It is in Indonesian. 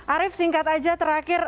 arief singkat aja terakhir